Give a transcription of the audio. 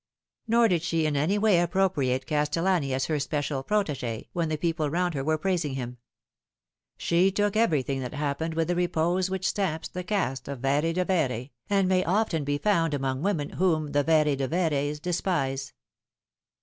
Nor did she in any way appropriate Castellani as her special protege when the people round her were praising him. She took everything that hap pened with the repose which stamps the caste of Vere de Vere, and may often be found among women whom the Vere de Veres despise.